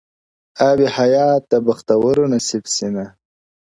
آب حیات د بختورو نصیب سینه-